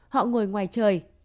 họ ngồi ngoài trời